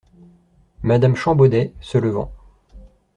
Madame Champbaudet , se levant.